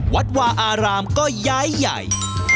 วัดวาอารามก็ย้ายใหญ่